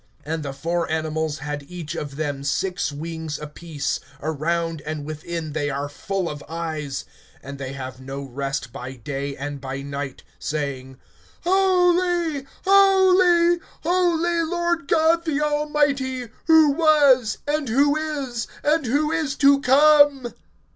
(8)And the four animals had each of them six wings apiece; around and within they are full of eyes; and they have no rest by day and by night, saying: Holy, holy, holy, Lord God the Almighty, who was, and who is, and who is to come.